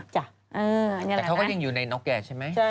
แต่เขาก็ยิ่งอยู่ในนกแก่ใช่ไหม